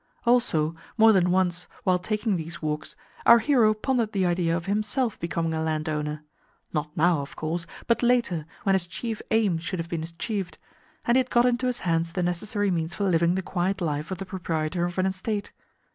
Also, more than once, while taking these walks, our hero pondered the idea of himself becoming a landowner not now, of course, but later, when his chief aim should have been achieved, and he had got into his hands the necessary means for living the quiet life of the proprietor of an estate.